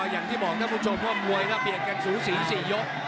อย่างที่ท่านผู้ชมว่ามวยก็เปลี่ยนกันสูสี๔ยก